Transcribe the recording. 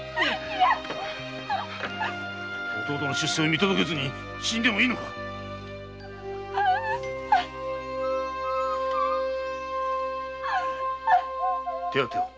弟の出世を見届けずに死んでもいいのか⁉手当てを。